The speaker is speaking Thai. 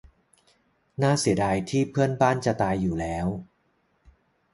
น่าเสียดายที่เพื่อนบ้านจะตายอยู่แล้ว